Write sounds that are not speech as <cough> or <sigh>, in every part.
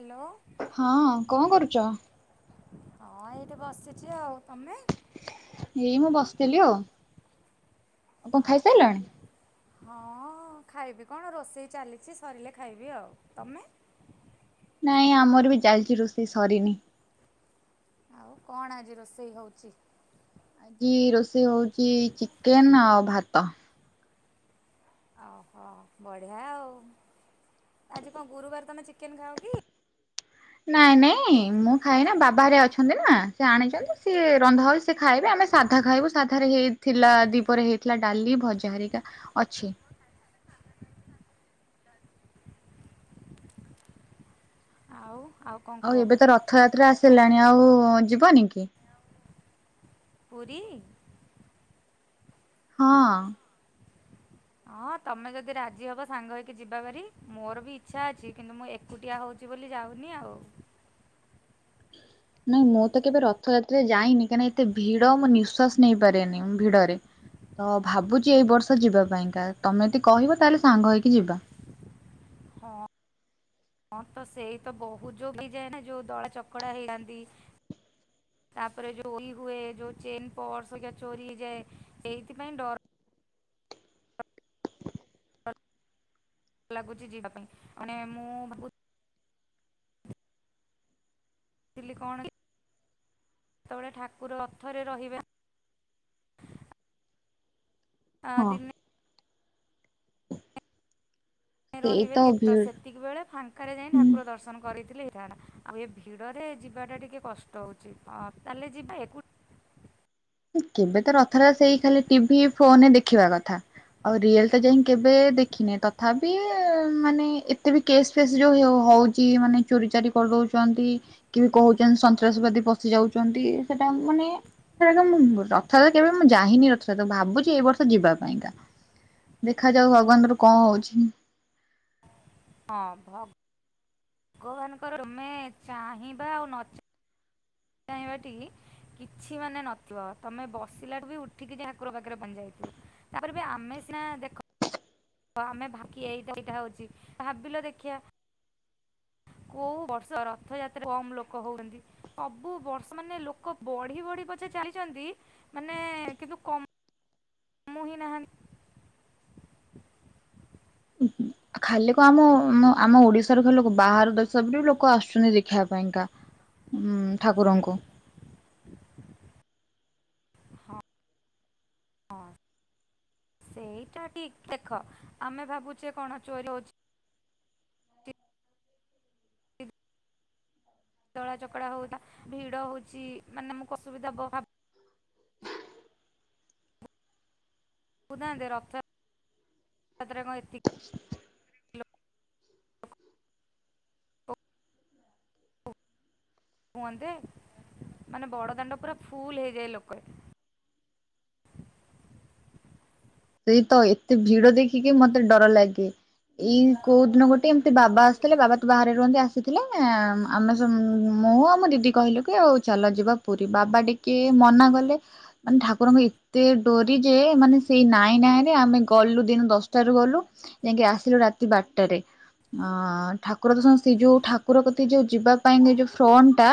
Hello. ହଁ କଣ କରୁଛ? ହଁ ଏଇଠି ବସିଛି ଆଉ। ତମେ? ଏଇ ମୁଁ ବସିଥିଲି ଆଉ। କଣ ଆଉ ଖାଇସାରିଲାଣି? ଖାାଇ ହଁ ଖାଇବି କଣ ରୋଷେଇ ଚାଲିଛି ସରିଲେ ଖାଇବି ଆଉ ତମେ। ନାଇଁ ଆମର ବି ଚାଲିଛି ରୋଷେଇ ସରିନି। ଆଉ କଣ ଆଜି ରୋଷେଇ ହଉଛି? ଆଜି ରୋଷେଇ ହଉଛି ଚିକେନ ଆଉ ଭାତ। ଓହୋ ବଢିଆ ଆଉ ଆଜି କଣ ଗୁରୁବାର ତମେ ଚିକେନ ଖାଉ କି? ନାଇଁ ନାଇଁ ମୁଁ ଖାଇନା ବାବାରେ ହରିକା ଅଛନ୍ତି ନାଁ ସେ ଆଣିଛନ୍ତି ସିଏ ରନ୍ଧା ହୋଇ ସେ ଖାଇବେ ଆମେ ସାଧା ଖାଇବୁ ସାଧାରେ ହେଇ ଥିଲା ଦିପହରେ ହେଇଥିଲା ଡାଲି ଭଜା ହରିକା ଅଛି। ଆଉ ଆଉ। କଣ ଆଉ କୁହ? ଏବେ ତ ରଥଯାତ୍ରା ଆସିଲାଣି ଆଉ ଯିବନି କି? ପୁରୀ। ହଁ। ହଁ ତମେ ଯଦି ରାଜି ହବ ସାଙ୍ଗ ହେଇକି ଯିବା ଭାରି ମୋର ବି ଇଚ୍ଛା ଅଛି କିନ୍ତୁ ମୁଁ ଏ ଏକୁଟିଆ ହଉଛି ବୋଲି ଯାଉନି ଆଉ। <inaudible> ନାଇଁ ମୁଁ ତ କେବେ ରଥଯାତ୍ରାରେ ଯାଇନି କାହିଁକି ଏତେ ଭିଡ ମୁଁ ନିଃଶ୍ୱାସ ନେଇ ପାରେନି ଭିଡରେ। ତ ଭାବୁଛି ଏଇ ବର୍ଷ ଯିବା ପାଇଁକା ତମେ ଯଦି କହିବ ତାହେଲେ ସାଙ୍ଗ ହେଇକି ଯିବା। ହଁ। ହଁ ତ ସେଇ ତ ବହୁତ ଯୋଉ ହେଇଯାଏ ନା ଯୋଉ ଦଳ ଚକଡା ହେଇଯାନ୍ତି। ତାପରେ ଯୋଉ ଇ ହୁଏ ଯୋଉ ଚେନ ପର୍ସ୍ ଚୋରି ହେଇଯାଏ। ଏଇଥିପ ପାଇଁଁ ଡର। ଲାଗୁଛି ଯିବା ପାଇଁ ମାନେ ମୁଁ ଭାବୁ କଣ <unintelligible> ସେତେବେଳେ ଠାକୁର ଅଥରେ ରହିବା ଆଁ ହଁ। ଦିନେ। ସେଇ ତ ରହିବେନିତ ଭିଡ ସେ ସେତିକ ବେଳେ ଫାଙ୍କାରେ ଯାଇଁ ଠାକୁର ହୁଁ ଦର୍ଶନ କରିଥିଲେ ହେଇଥାଆନ୍ତା ଆଉ ଏ ଭିଡ଼ରେ ଯିବାଟା ଟିକେ କଷ୍ଟ। ହଉଚି ତାହେଲେ ଯିବେ ଏକୁ କେବେ ତ ରଥରେ ସେଇ ଖାଲି ଟିଭି ଫୋନରେ ଦେଖିବା କଥା। ଆଉ ରିଏଲ୍ ତ ଯାଇ କେବେ ଦେଖିନେ ତଥାବି। ମାନେ ଏତେ ବି କେସ୍ ଫେସ୍ ଯୋଉ ହଉଛି ମାନେ ଚୋରି ଚାର କରିଦଉଛନ୍ତି। କି କହୁଛନ୍ତି ସନ୍ତାସବାଦୀ ପଶି ଯାଉଛନ୍ତି ସେଟା ମାନେ। ମୁଁ ରଥଯାତ କେବେ ମୁଁ ଯାଇନି ରଥଯାତ ଭାବୁଛି ଏଇ ବର୍ଷ ଯିବା ପାଇଁକା। ଦେଖା ଯାଉ ଭଗବାନ ଦୟାରୁ କଣ ହଉଛି। ହଁ ଭଗ୍ ଭାଗବାନଙ୍କର ତୁମେ ଚାହିଁବା ଆଉ ନ <unintelligible> କିଛି ମାନେ ନଥିବ। ତମେ ବସିଲା ଠୁ ବି ଉଠିକି ଠାକୁର ପାଖରେ ପହଞ୍ଚି ଯାଇଥିବ। ତାପରେ ବି ଆମେ ସିନା ଦେଖ ଆମେ ଦ୍ଭାକି ଏଇଟା ଏଇଟା ହଉଛି। ଭାବିଲ ଦେଖିିବା କୋଉ ବର୍ଷ ରଥଯାତ୍ରା କମ୍ ଲୋକ ହଉଛନ୍ତି? ସବୁ ବର୍ଷ ମାନେ ଲୋକ ବଢି ବଢି ପଛେ ଚାଲିଛନ୍ତି, ମାନେ କିନ୍ତୁ କ କାମୁ ହିଁ ନାହାନ୍ତି। ଖାଲି କ ଆମ, ଆମ ଓଡିଶା ଓଡ଼ିଶାରୁ ଲୋକ, ବାହାର ଦେଶ ରୁ ବି ଲୋକ ଆସୁଛନ୍ତି ଦେଖିବା ପାଇଁକା ଉ ଠାକୁରଙ୍କୁ। ହଁ, ସେଇଟା ଠିକ। ଦେଖ ଆମେ ଭାବୁଛେ କଣ ଚୋର ହଉଛି। ଦଳା ଚକଡା ହଉଥାଏ। ଭିଡ ହଉଛି ମାନେ ଆମକୁ ଅସୁବିଧା <unintelligible> <inaudible> <unintelligible> ହୁଅନ୍ତେ। ମାନେ ବଡ଼ଦାଣ୍ଡ ପୁରା ଫୁଲ ହେଇଯାଏ ଲୋକରେ। ସେଇ ତ ଏତେ ଭିଡ ଦେଖିକି ମତେ ଡର ଲାଗେ। ଏଇ କୋଉ ଦିନ ଗୋଟେ ଏମିତି ବାବା ଆସିଥିଲେ। ବାବା ତ ବାହାରେ ରୁହନ୍ତି ଆସିଥିଲେ। ଆମେ ସମ, ମୁଁ ଆଉ ମୋ ଦିଦି କହିଲୁ କି ଆଉ ଚାଲ ଯିବା ପୁରୀ। ବାବା ଟିକେ ମନା କଲେ ମାନେ ଠାକୁରଙ୍କୁ ଏତେ ଡୋରି ଯେ ମାନେ ସେଇ ନାଇଁ ନାଇଁ ନାଇଁରେ ଆମେ ଗଲୁ। ଦିନ ଦଶଟାରୁ ଗଲୁ, ଯାଇକି ଆସିଲୁ ରାତି ବାରଟାରେ। ଅ ଠାକୁର ତ ସମସ୍ତେ ଯୋଉ ଠାକୁର କତି ଯୋଉ ଯିବା ପାଇଁ ଯୋଉ ଫ୍ରଣ୍ଟ ଟା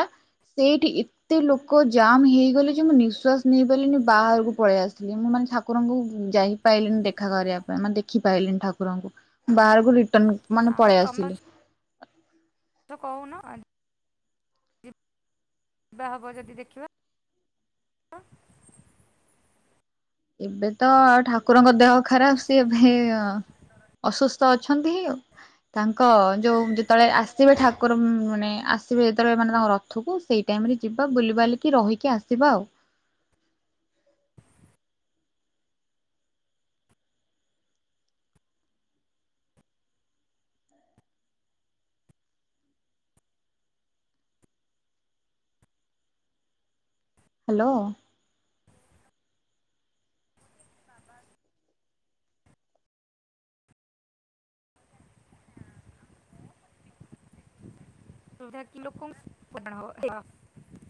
ସେଇଠି ଏ ଏତେ ଲୋକ ଜାମ୍ ହେଇଗଲେ ଯେ ମୁଁ ନିଃଶ୍ବାସ ନେଇପାରିଲିନ, ବାହାରକୁ ପଳେଇ ଆସିଲି। ମୁଁ ମାନେ ଠାକୁରଙ୍କୁ ଯାଇ ପାଇଲିନି ଦେଖା କରିବା ପାଇଁ। ମାନେ ଦେଖିପାଇଲିନି ଠାକୁରଙ୍କୁ। ବାହାରକୁ ରିଟର୍ଣ ମାନେ ପଳେଇ ଆସିଲି। ତ କହୁନ ଆ ଯିବା ହବ ଯଦି ଦେଖିବା। ଏବେ ତ ଠାକୁରଙ୍କ ଦେହ ଖରାପ। ସିଏ ଏବେ ଅସୁସ୍ଥ ଅଛନ୍ତିି ତାଙ୍କ ଯୋଉ ଯେତେବେଳେ ଆସିବେ ଠାକୁର ମାନେ ଆସିବେ ଯେତେବେଳେ ମାନେ ତାଙ୍କ ରଥ ରଥକୁ ସେଇ ଟାଇମ୍ ରେ ଯିବା ବୁଲିବାଲିକି ରହିକି ଆସିବା ଆଉ। ହ୍ୟାଲୋ। ବାବା <inaudible> କି ଲୋକ <unintelligible>